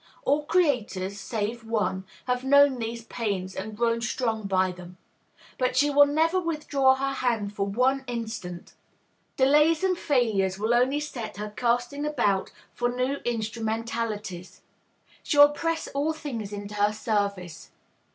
All creators, save One, have known these pains and grown strong by them. But she will never withdraw her hand for one instant. Delays and failures will only set her to casting about for new instrumentalities. She will press all things into her service.